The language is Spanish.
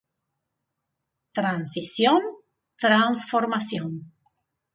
Transición: transformación".